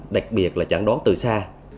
đặc biệt là chẳng đoán từ xa